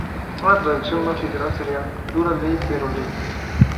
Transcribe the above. Una traducción más literal sería "dura ley pero ley".